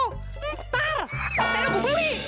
ntar ntar gue beli